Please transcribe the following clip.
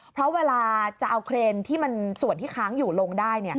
เพราะเวลาจะเอาเครนที่มันส่วนที่ค้างอยู่ลงได้